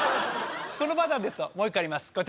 このパターンですともう１個あります